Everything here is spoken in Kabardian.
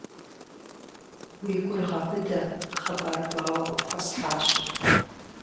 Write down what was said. Уи гур гъэбыдэ, хъыбар гуауэ къыпхуэсхьащ.